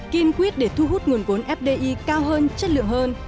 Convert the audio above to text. kiên quyết để thu hút nguồn vốn fdi cao hơn chất lượng hơn